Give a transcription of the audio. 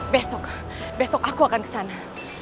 besok besok aku akan kesana